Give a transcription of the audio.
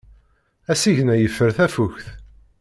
Asigna yeffer tafukt.